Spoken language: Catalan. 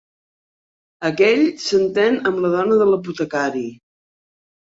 Aquell s'entén amb la dona de l'apotecari.